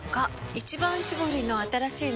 「一番搾り」の新しいの？